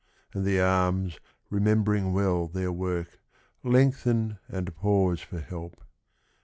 " and the arms, remembering well their work, Lengthen and pause for help.